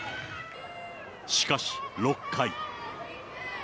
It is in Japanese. しかし、６回。